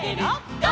ゴー！」